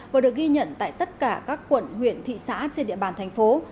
và được ghi nhận tại tất cả các quận huyện thị xã trên địa bàn thành phố